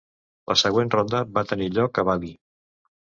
La següent ronda va tenir lloc a Bali.